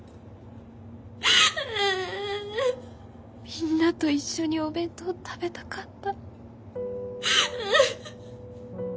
みんなと一緒にお弁当食べたかった。